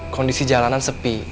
kondisi jalanan sepi